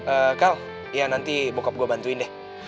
ee kal ya nanti bokap gue bantuin deh